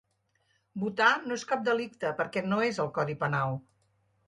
Votar no és cap delicte perquè no és al codi penal.